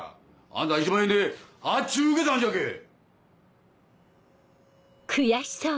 あんた１万円で発注請けたんじゃけぇ。